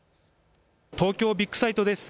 東京ビッグサイトです。